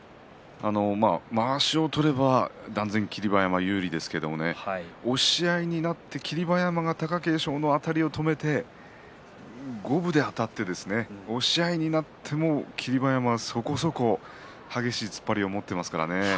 まわしを取れば断然、霧馬山有利ですけれど押し合いになって霧馬山が貴景勝のあたりを止めて五分であたって押し合いになっても霧馬山はそこそこ激しい突っ張りを持っていますからね。